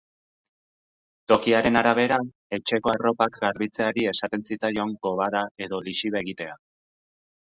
Tokiaren arabera, etxeko arropak garbitzeari esaten zitzaion gobada edo lixiba egitea.